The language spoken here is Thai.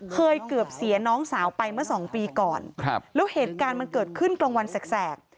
เกือบเสียน้องสาวไปเมื่อสองปีก่อนครับแล้วเหตุการณ์มันเกิดขึ้นกลางวันแสก